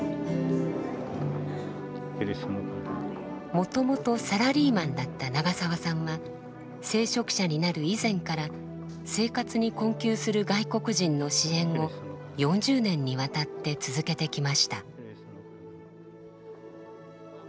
もともとサラリーマンだった長澤さんは聖職者になる以前から生活に困窮する外国人の支援を４０年にわたって続けてきました。